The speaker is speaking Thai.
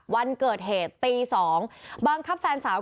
วันเกิดเหตุตี๒บังคับแฟนสาว